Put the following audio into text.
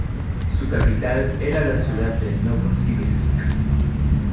Su capital era la ciudad de Novosibirsk.